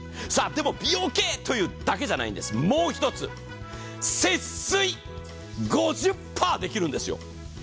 美容系というだけじゃないんです、もう一つ節水５０％できるんですよ。